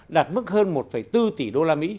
đạt mức hơn một bốn tỷ usd